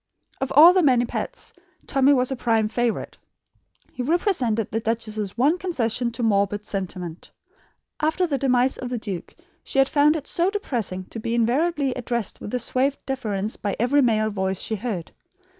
Of all the many pets, Tommy was prime favourite. He represented the duchess's one concession to morbid sentiment. After the demise of the duke she had found it so depressing to be invariably addressed with suave deference by every male voice she heard.